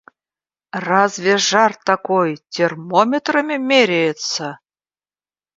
Разве жар такой термометрами меряется?!